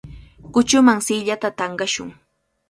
Kuchuman siillata tanqashun.